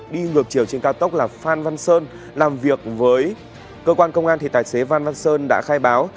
đi ngược chiều trên cao tốc là phan văn sơn làm việc với cơ quan công an thì tài xế phan văn sơn đã khai báo